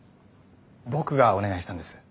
僕がお願いしたんです。